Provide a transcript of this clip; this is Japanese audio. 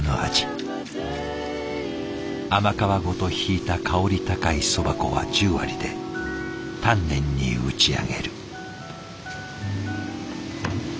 甘皮ごとひいた香り高いそば粉は十割で丹念に打ち上げる。